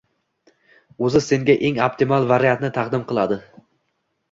Oʻzi senga eng optimal variantni taqdim qiladi.